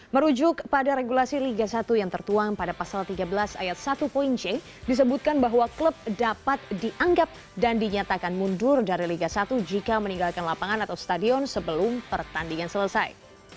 merujuk pada regulasi liga satu yang tertuang pada pasal tiga belas ayat satu poin c disebutkan bahwa klub dapat dianggap dan dinyatakan mundur dari liga satu jika meninggalkan lapangan atau stadion sebelum pertandingan selesai